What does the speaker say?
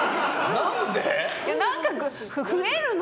何か増えるの。